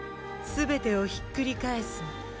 全てをひっくり返すの。